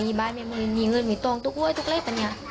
มีบ้านไม่มืดมีเงินไม่ตรงตุ๊กเว้ยตุ๊กเล้ยป่ะเนี่ย